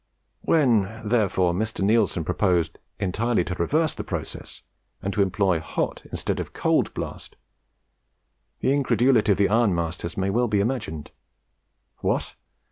When, therefore, Mr. Neilson proposed entirely to reverse the process, and to employ hot instead of cold blast, the incredulity of the ironmasters may well be imagined. What!